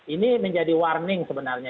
ini menjadi warning sebenarnya